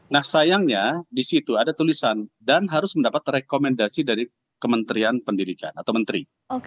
nah sayangnya di situ ada tulisan dan harus mendapat rekomendasi dari kementerian pendidikan atau menteri